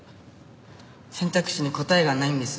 選択肢に答えがないんです。